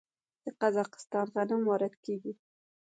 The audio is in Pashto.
د قزاقستان غنم وارد کیږي.